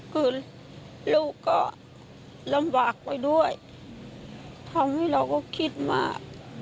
คือลูกก็ลำบากไปด้วยทำให้เราก็คิดมาก